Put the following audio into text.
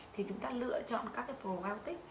thì chúng ta lựa chọn các probiotic